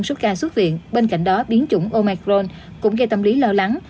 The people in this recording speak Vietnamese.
người ta xuất viện bên cạnh đó biến chủng omicron cũng gây tâm lý lo lắng